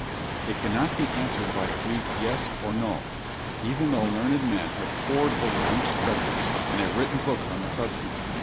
It cannot be answered by a brief "yes" or "no," even though learned men have pored over ancient records and have written books on the subject.